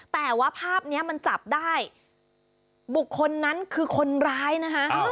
แต่ว่าภาพนี้มันจับได้บุคคลนั้นคือคนร้ายนะคะ